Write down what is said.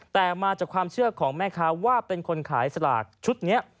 แต่มาจากความเชื่อของแม่ค้าว่าเป็นคนขายสลากชุดนี้